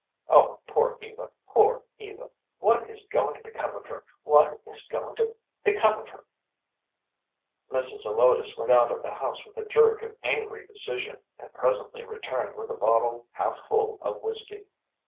Oh, poor Eva, poor Eva! What is goin' to become of her, what is goin' to become of her?" Mrs. Zelotes went out of the house with a jerk of angry decision, and presently returned with a bottle half full of whiskey.